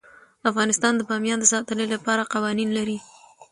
افغانستان د بامیان د ساتنې لپاره قوانین لري.